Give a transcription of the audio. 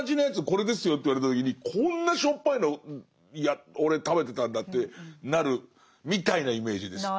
これですよと言われた時にこんなしょっぱいのいや俺食べてたんだってなるみたいなイメージです。